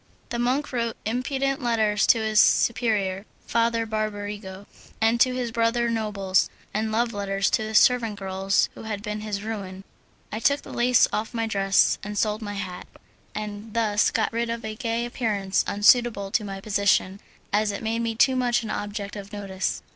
The monk wrote impudent letters to his superior, Father Barbarigo, and to his brother nobles, and love letters to the servant girls who had been his ruin. I took the lace off my dress, and sold my hat, and thus got rid of a gay appearance unsuitable to my position, as it made me too much an object of notice.